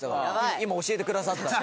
今教えてくださったんで。